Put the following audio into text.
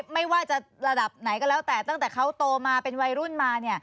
ไม่ว่าจะระดับไหนก็แล้วแต่ตั้งแต่เขาโตมาเป็นวัยรุ่นมา